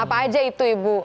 apa aja itu ibu